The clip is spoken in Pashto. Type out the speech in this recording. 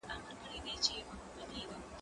که وخت وي، پوښتنه کوم؟